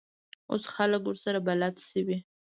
اوس خلک ورسره بلد شوي.